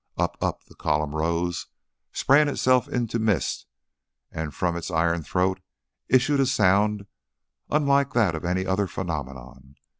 Up, up the column rose, spraying itself into mist, and from its iron throat issued a sound unlike that of any other phenomenon.